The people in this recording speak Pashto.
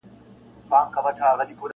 لاره د خیبر- د پښتنو د تلو راتللو ده-